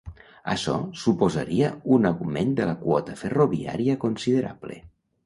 Açò suposaria un augment de la quota ferroviària considerable.